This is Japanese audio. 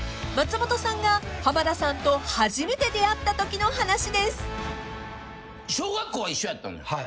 ［松本さんが浜田さんと初めて出会ったときの話です］